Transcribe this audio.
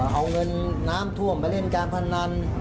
เอาเงินน้ำท่วมไปเล่นการพนัน